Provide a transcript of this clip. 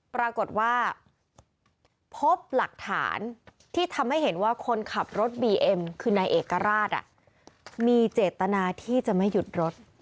ปรากฏว่าพบหลักฐานที่ทำให้เห็นว่าคนขับรถบีเอ็มคือนายเอกราชมีเจตนาที่จะไม่หยุดรถ